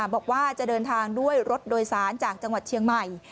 บอกว่าจะเดินทางด้วยรถโดยสารจากจังหวัดเชียงใหม่